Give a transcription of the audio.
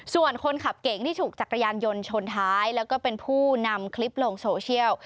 ส่วนคนขับเก่งที่ถูกจักรยานยนต์ชนท้ายแล้วก็เป็นผู้นำคลิปลงโซเชียล